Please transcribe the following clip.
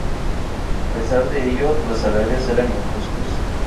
A pesar de ello, los salarios eran injustos.